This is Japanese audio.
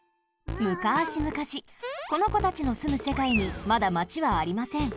むかしむかしこのこたちのすむせかいにまだマチはありません。